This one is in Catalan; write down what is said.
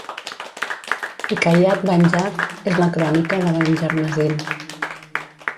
Hikayat Banjar és la crònica de Banjarmasin.